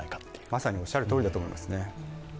まさにおっしゃるとおりだと思います。